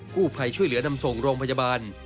ผู้ภัยช่วยเหลือนำส่งโรงพยาบาล